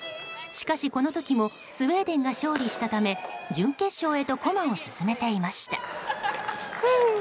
しかし、この時もスウェーデンが勝利したため準決勝へと駒を進めていました。